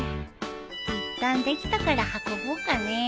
いったんできたから運ぼうかね。